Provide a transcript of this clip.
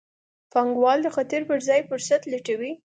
پانګوال د خطر پر ځای فرصت لټوي.